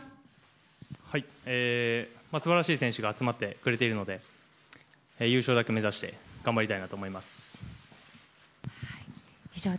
素晴らしい選手が集まってくれているので優勝だけ目指して頑張りたいなと思います。